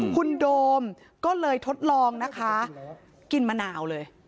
คุณโดมก็เลยทดลองนะคะกินมะนาวเลย